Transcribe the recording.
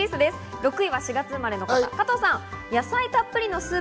６位は４月生まれの方、加藤さん。